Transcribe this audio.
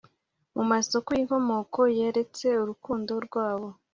mu masoko y'inkomoko yaretse urukundo rwabo